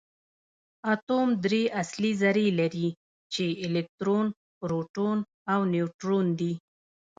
اتوم درې اصلي ذرې لري چې الکترون پروټون او نیوټرون دي